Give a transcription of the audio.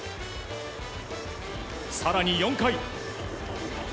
更に４回。